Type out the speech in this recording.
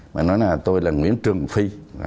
mình nói là tôi là nguyễn trường phi